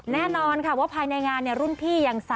แน่นอนค่ะว่าภายในงานรุ่นพี่อย่าง๓